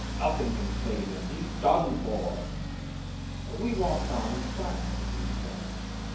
Nothing can save him. He's done for." We walked on in silence a few steps.